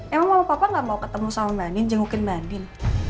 emang mama papa gak mau ketemu sama manin jengukin manin